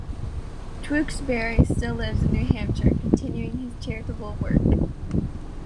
Tewksbury still lives in New Hampshire, continuing his charitable work.